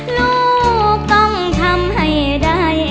ลูกต้องทำให้ใด